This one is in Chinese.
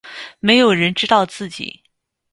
没有人知道自己